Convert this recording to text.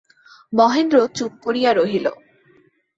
মহেন্দ্র চুপ করিয়া রহিল।